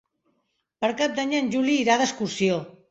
Per Cap d'Any en Juli irà d'excursió.